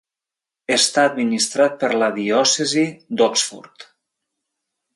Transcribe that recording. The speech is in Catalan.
Està administrat per la diòcesi d"Oxford.